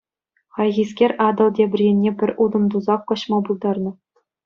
Хайхискер Атӑл тепӗр енне пӗр утӑм тусах каҫма пултарнӑ.